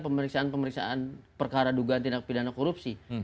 pemeriksaan pemeriksaan perkara dugaan tindak pidana korupsi